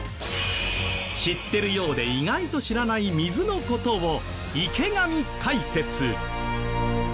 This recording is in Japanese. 知ってるようで意外と知らない水のことを池上解説！